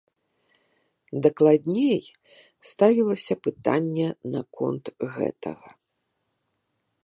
Дакладней, ставілася пытанне наконт гэтага.